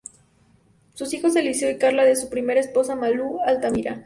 Sus hijos Eliseo y Carla de su primera esposa Malú Altamira.